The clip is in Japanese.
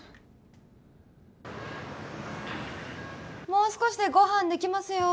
もう少しでご飯できますよ